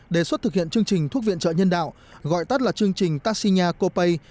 đề xuất thực hiện chương trình thuốc viện trợ nhân đạo gọi tắt là chương trình taxia copay